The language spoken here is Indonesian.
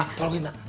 ah tolongin emak